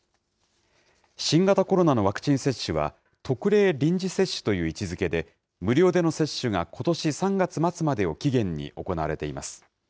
新型コロナのワクチン接種は、特例臨時接種という位置づけで、無料での接種がことし３月末までを期限に行われています。